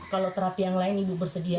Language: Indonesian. kalau terapi yang lain ibu bersedia